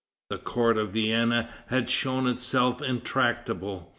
The court of Vienna had shown itself intractable.